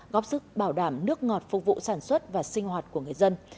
góp sức bảo đảm nước ngọt phục vụ sản xuất và sinh hoạt của người dân